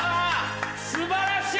素晴らしい！